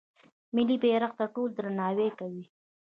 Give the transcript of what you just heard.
ملي بیرغ ته ټول درناوی کوي.